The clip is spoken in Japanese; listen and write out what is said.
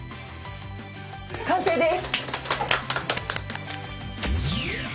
完成です。